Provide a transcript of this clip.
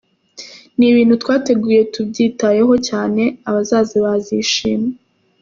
Ni ibintu twateguye tubyitayeho cyane, abazaza bazishima.